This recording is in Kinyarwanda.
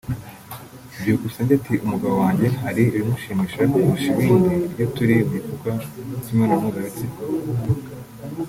Byukusenge ati’’ Umugabo wange hari ibimushimisha kurusha ibindi iyo turi mu gikorwa cy’imibonano mpuzabitsina